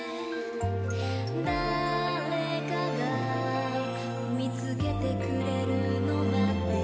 「誰かが見つけてくれるの待ってる」